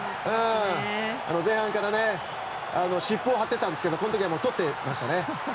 前半から湿布を貼っていたんですがこの時は取ってましたね。